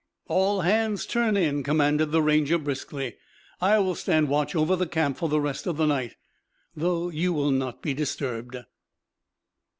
"All hands, turn in," commanded the Ranger briskly. "I will stand watch over the camp for the rest of the night, though you will not be disturbed."